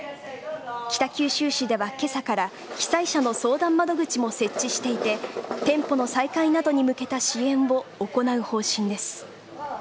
北九州市では今朝から被災者の相談窓口も設置していて店舗の再開などに向けた支援を行う方針です。